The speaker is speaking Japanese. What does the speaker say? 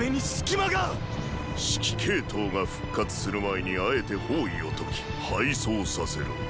指揮系統が復活する前にあえて包囲を解き敗走させる。